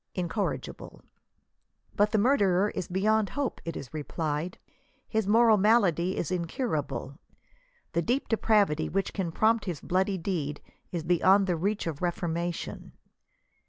INCORRIGIBLE. But the murderer is beyond hope, it is replied. His moral malady is incurable. The deep depravity which can prompt his bloody deed is beyond the reach of reformation.